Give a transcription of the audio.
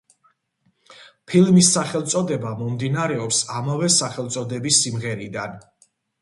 ფილმის სახელწოდება მომდინარეობს ამავე სახელწოდების სიმღერიდან.